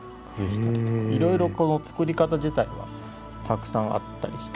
いろいろこの作り方自体はたくさんあったりして。